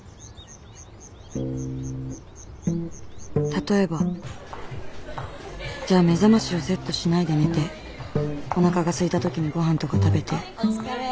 例えばじゃあ目覚ましをセットしないで寝ておなかがすいた時にごはんとか食べてお疲れ。